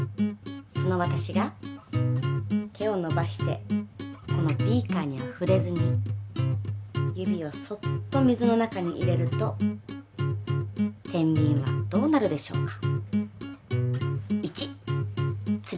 その私が手をのばしてこのビーカーにふれずに指をそっと水の中に入れるとてんびんはどうなるでしょうか？